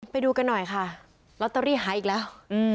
ไปดูกันหน่อยค่ะลอตเตอรี่หายอีกแล้ว